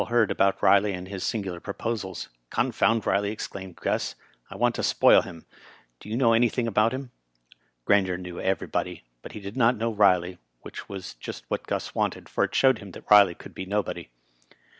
heard about Eiley and his singular proposals. " Confound Eiley !" exclaimed Gus. "I want to spoil him. Do you know anything about him?" Grainger knew everybody, but he did not know Ri ley, which was just what Gus wanted, for it showed him that Riley could be nobody.